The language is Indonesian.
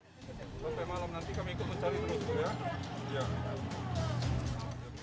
sampai malam nanti kami ikut mencari teman teman ya